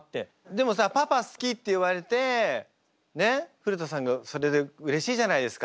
でもさ「パパ好き」って言われてねっ古田さんがそれでうれしいじゃないですか。